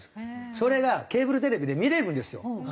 それがケーブルテレビで見れるんですよ。